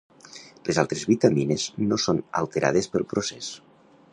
Les altres vitamines no són alterades pel procés.